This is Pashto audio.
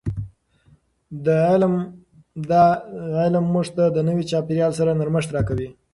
دا علم موږ ته د نوي چاپیریال سره نرمښت راکوي.